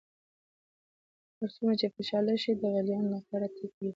هر څومره چې فشار لږ شي د غلیان نقطه را ټیټیږي.